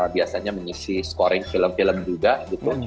biasanya mengisi scoring film film juga gitu